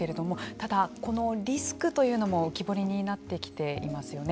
ただ、このリスクというのも浮き彫りになってきていますよね。